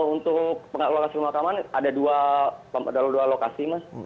untuk lokasi pemakaman ada dua lokasi mas